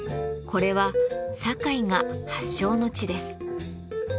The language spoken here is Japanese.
これは堺が発祥の地です。